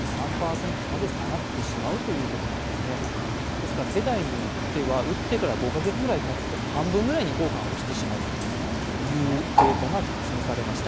ですから世代によっては、打ってから５カ月くらいたつと半分ぐらいに効果が落ちてしまうというデータが示されました。